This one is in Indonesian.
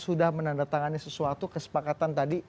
sudah menandatangani sesuatu kesepakatan tadi